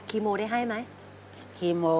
ีโมได้ให้ไหมคีโม